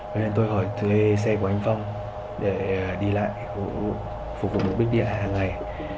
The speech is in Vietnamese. vì vậy tôi hỏi thuê xe của anh phong để đi lại phục vụ bức địa hàng ngày